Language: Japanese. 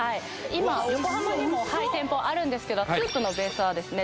今横浜にも店舗あるんですけどスープのベースはですね